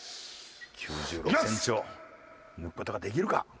９６センチを抜く事ができるか？